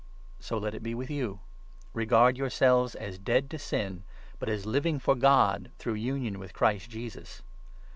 So let it be with you — regard yourselves as dead to sin, but 1 1 as living for God, through union with Christ Jesus.